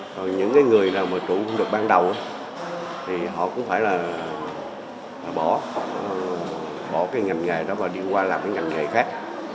còn những người nào mà trụ cũng được bằng đầu thì họ cũng phải là bỏ bỏ cái ngành nghề đó và đi qua làm cái ngành nghề khác